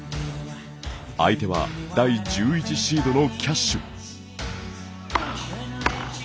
相手は第１１シードのキャッシュ。